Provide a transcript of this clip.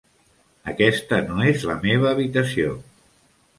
Aquesta no és la meva habitació.